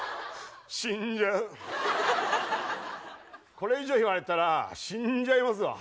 これ以上言われたら死んじゃいますわ。